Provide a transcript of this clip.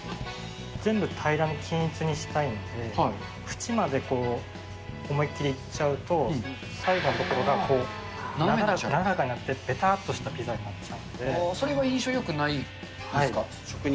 全部平らに、均一にしたいんで、縁まで思い切りいっちゃうと、最後の所がなだらかになっていって、たーっとしたピザになっちゃそれが印象よくないんですか。